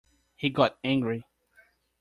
He got angry.